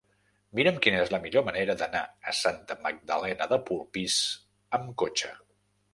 Mira'm quina és la millor manera d'anar a Santa Magdalena de Polpís amb cotxe.